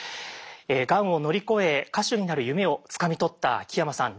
がんを乗り越え歌手になる夢をつかみ取った木山さん